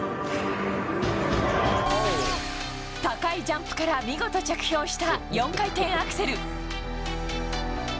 高いジャンプから見事着氷した４回転アクセル。